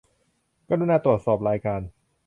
กรุณาตรวจสอบรายการ